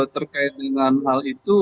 terkait dengan hal itu